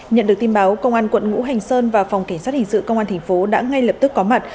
nhận được tin báo công an quận ngũ hành sơn và phòng cảnh sát hình sự công an thành phố đã ngay lập tức có mặt